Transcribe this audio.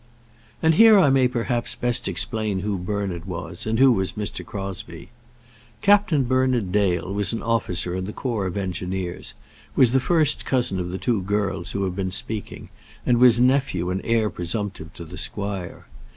And here I may perhaps best explain who Bernard was, and who was Mr. Crosbie. Captain Bernard Dale was an officer in the corps of Engineers, was the first cousin of the two girls who have been speaking, and was nephew and heir presumptive to the squire.